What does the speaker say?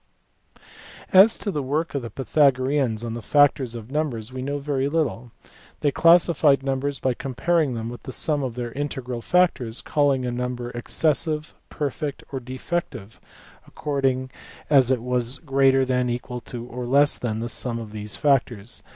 As to the work of the Pythagoreans on the factors of numbers we know very little : they classified numbers by com paring them with the sum of their integral factors, calling a number excessive, perfect, or defective according as it was greater than, equal to, or less than the sum of these factors.